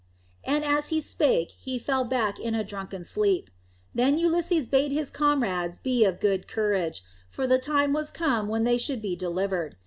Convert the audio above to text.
And as he spake he fell back in a drunken sleep. Then Ulysses bade his comrades be of good courage, for the time was come when they should be delivered.